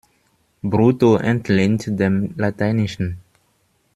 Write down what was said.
Brutto entlehnt dem Lateinischen.